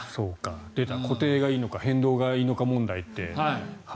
出た、固定がいいのか変動がいいのか問題。